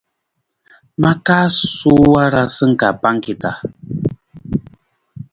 Ma kaa suwii warasa ka pangki ta.